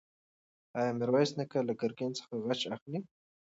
ایا میرویس نیکه له ګرګین څخه غچ اخلي؟